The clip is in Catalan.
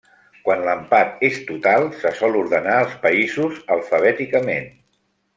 Quan l'empat és total se sol ordenar els països alfabèticament.